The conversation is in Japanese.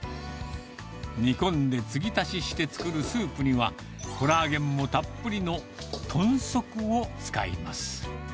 煮込んで継ぎ足しして作るスープには、コラーゲンもたっぷりの豚足を使います。